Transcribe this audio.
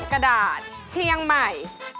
กระดาษเชียงใหม่